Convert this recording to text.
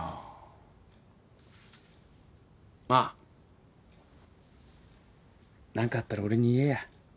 まあ何かあったら俺に言えや。